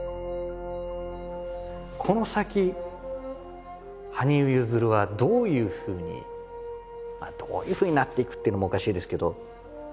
この先羽生結弦はどういうふうにどういうふうになっていくっていうのもおかしいですけど。